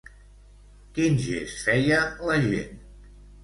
Quin gest feia la gent?